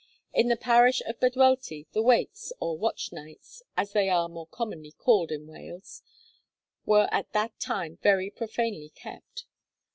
In the parish of Bedwellty, the wakes or watch nights, as they are more commonly called in Wales were at that time very profanely kept.